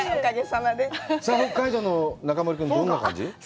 さあ北海道の中丸君、どんな感じ？